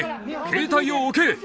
携帯を置け！